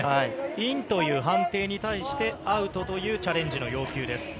インという判定に対して、アウトというチャレンジの要求です。